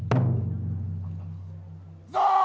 いくぞ！